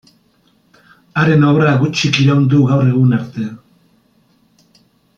Haren obra gutxik iraun du gaur egun arte.